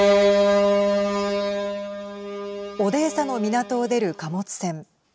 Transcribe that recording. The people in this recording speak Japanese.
オデーサの港を出る貨物船。